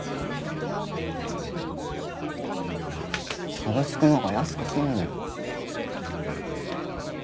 サブスクの方が安く済むのに。